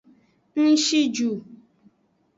Ng shi ju.